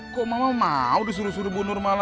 kok mama mau disuruh suruh bu nurmala